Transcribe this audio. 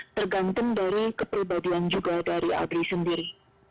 tergantung dari kepribadian juga dari abri sendiri